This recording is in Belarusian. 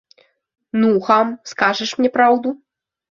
Ну, хам, скажаш мне праўду?